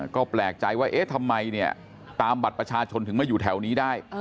ก็แปลกใจว่าเอ๊ะทำไมเนี่ยตามบัตรประชาชนถึงมาอยู่แถวนี้ได้